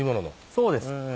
そうです。